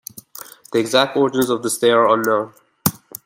The exact origins of this day are unknown.